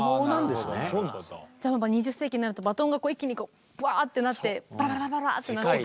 じゃあ２０世紀になるとバトンが一気にこうブワッてなってバラバラバラバラってなって。